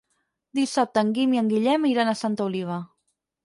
Dissabte en Guim i en Guillem iran a Santa Oliva.